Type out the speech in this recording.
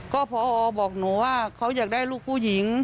ก็พอบอกหนูว่าเขาอยากได้ลูกผู้หญิง